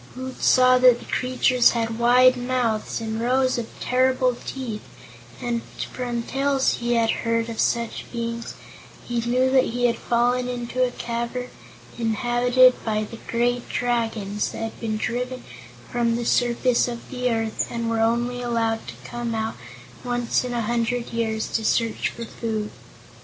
Woot saw that the creatures had wide mouths and rows of terrible teeth and, from tales he had heard of such beings, he knew he had fallen into a cavern inhabited by the great Dragons that had been driven from the surface of the earth and were only allowed to come out once in a hundred years to search for food.